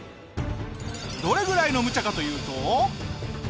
どれぐらいのむちゃかというと。